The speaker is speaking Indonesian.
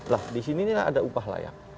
nah disini inilah ada upah layak